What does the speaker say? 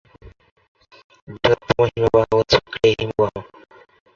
বৃহত্তম হিমবাহ হচ্ছে গ্রে হিমবাহ।